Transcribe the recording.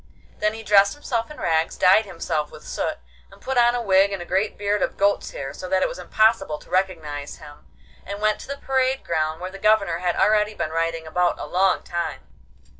Then he dressed himself in rags, dyed himself with soot, and put on a wig and a great beard of goat's hair, so that it was impossible to recognise him, and went to the parade ground, where the Governor had already been riding about a long time.